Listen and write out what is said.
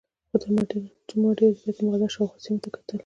خو ما تر ډېره د بیت المقدس شاوخوا سیمو ته کتل.